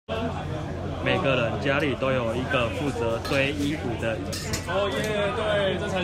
每個人家裡都有一個負責堆衣服的椅子